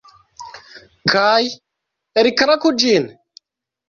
Kaj... alklaku ĝin?